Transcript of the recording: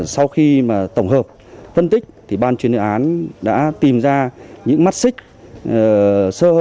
sau khi mà tổng hợp phân tích thì ban chuyên án đã tìm ra những mắt xích sơ hở